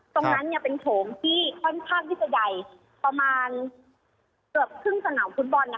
ตรงนั้นเป็นโถงที่ค่อนข้างที่จะใหญ่ประมาณเกือบครึ่งสนามฟุตบอล